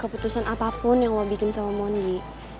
keputusan apapun yang lo bikin sama moni